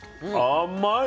甘い。